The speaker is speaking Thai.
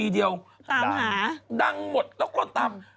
ด่าดังหมดแล้วก็ตาม